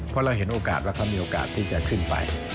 เพราะเราเห็นโอกาสว่าเขามีโอกาสที่จะขึ้นไป